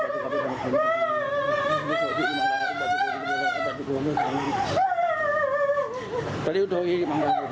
ใส่นะใส่